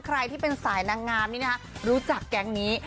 ใครที่เป็นสายนางงามนี่นะคะรู้จักแก๊งนี้